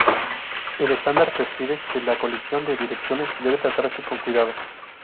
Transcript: El estándar prescribe que la colisión de direcciones debe tratarse con cuidado.